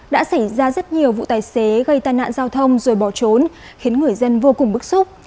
đã xảy ra rất nhiều vụ tài xế gây tai nạn giao thông rồi bỏ trốn khiến người dân vô cùng bức xúc